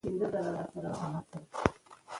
هغه څوک چې زیار باسي بریالی کیږي.